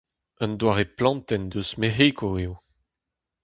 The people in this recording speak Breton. Un doare plantenn eus Mec'hiko eo.